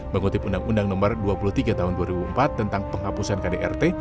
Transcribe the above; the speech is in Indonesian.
mengutip undang undang nomor dua puluh tiga tahun dua ribu empat tentang penghapusan kdrt